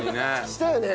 したよね？